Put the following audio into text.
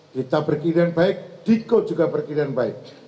kita berkirian baik diko juga berkirian baik